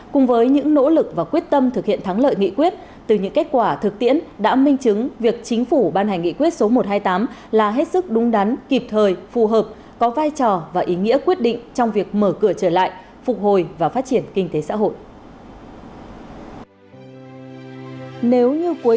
cùng với những nỗ lực và quyết tâm thực hiện thắng lợi nghị quyết từ những kết quả thực tiễn đã minh chứng việc chính phủ ban hành nghị quyết số một trăm hai mươi tám là hết sức đúng đắn kịp thời phù hợp có vai trò và ý nghĩa quyết định trong việc mở cửa trở lại phục hồi và phát triển kinh tế xã hội